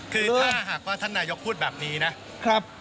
คือถ้าหากว่าท่านนายกพูดแบบนี้นะครับ